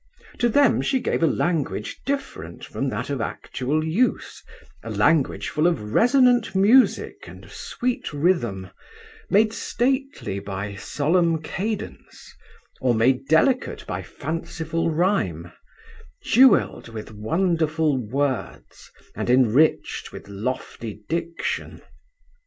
To them she gave a language different from that of actual use, a language full of resonant music and sweet rhythm, made stately by solemn cadence, or made delicate by fanciful rhyme, jewelled with wonderful words, and enriched with lofty diction.